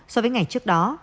so với ngày trước đó